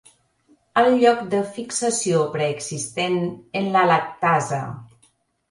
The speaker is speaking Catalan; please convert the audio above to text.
El lloc de fixació preexisteix en la lactasa.